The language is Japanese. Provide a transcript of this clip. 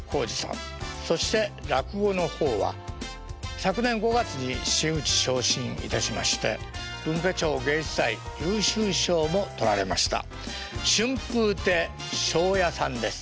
そして落語の方は昨年５月に真打昇進いたしまして文化庁芸術祭優秀賞も取られました春風亭昇也さんです。